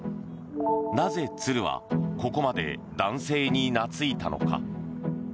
なぜ、鶴はここまで男性に懐いたのか。